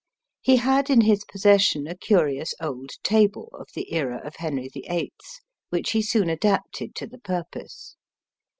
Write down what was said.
He had in his possession a curious old table, of the era of Henry the Eighth, which he soon adapted to the purpose.